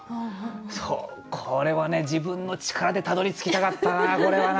これはね自分の力でたどりつきたかったなこれはな。